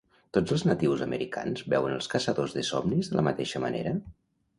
Tots els natius americans veuen els caçadors de somnis de la mateixa manera?